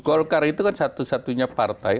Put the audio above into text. golkar itu kan satu satunya partai